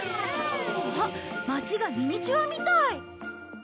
あっ街がミニチュアみたい。